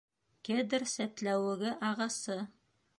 Кедр сәтләүеге ағасы.